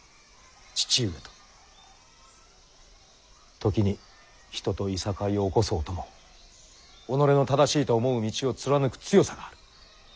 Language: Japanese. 時に人といさかいを起こそうとも己の正しいと思う道を貫く強さがある。